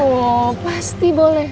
oh pasti boleh